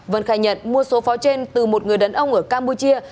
vân khai nhận mua số pháo trên từ một người đàn ông ở campuchia